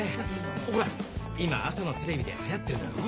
ほら今朝のテレビで流行ってるだろ？